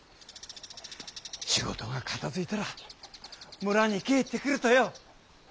仕事が片づいたら村に帰ってくるとよ。